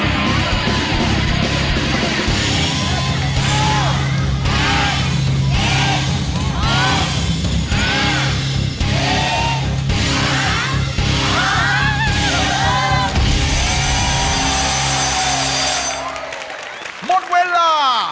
หมดเวลา